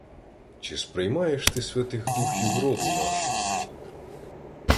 — Чи сприймаєш ти святих духів роду нашого?